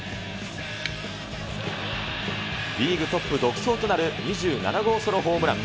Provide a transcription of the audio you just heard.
リーグトップ独走となる２７号ソロホームラン。